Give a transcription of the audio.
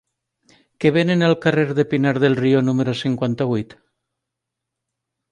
Què venen al carrer de Pinar del Río número cinquanta-vuit?